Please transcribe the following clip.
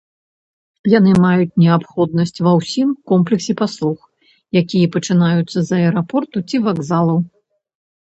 Яны маюць неабходнасць ва ўсім комплексе паслуг, якія пачынаюцца з аэрапорту ці вакзалу.